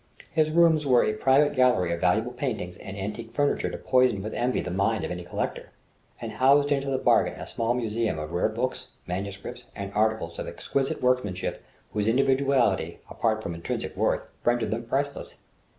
His rooms were a private gallery of valuable paintings and antique furniture to poison with envy the mind of any collector, and housed into the bargain a small museum of rare books, manuscripts, and articles of exquisite workmanship whose individuality, aside from intrinsic worth, rendered them priceless.